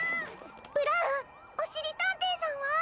ブラウンおしりたんていさんは？